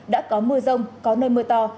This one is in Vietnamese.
đã có mưa rông có nơi mưa to